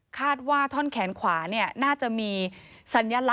คาดว่าท่อนแขนขวาน่าจะมีสัญลักษ